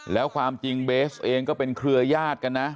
แล้วความจริงเบสเองก็เป็นเครือยาศกันนะ